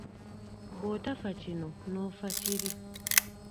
Bw’otafa kino n’ofa kiri.